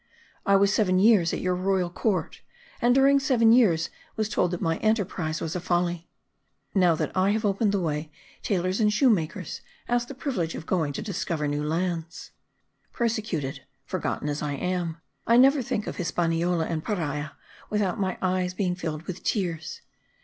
I was seven years at your royal court, and during seven years was told that my enterprise was a folly. Now that I have opened the way, tailors and shoemakers ask the privilege of going to discover new lands. Persecuted, forgotten as I am, I never think of Hispaniola and Paria without my eyes being filled with tears.